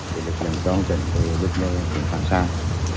thì lực lượng toàn dân thì rất là sẵn sàng